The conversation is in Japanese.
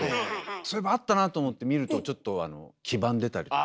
そういえばあったなと思って見るとちょっとあの黄ばんでたりとか。